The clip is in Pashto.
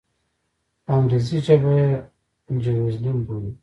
په انګریزي ژبه یې جیروزلېم بولي.